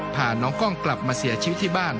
พาน้องกล้องกลับมาเสียชีวิตที่บ้าน